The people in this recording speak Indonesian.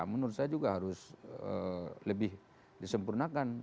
menurut saya juga harus lebih disempurnakan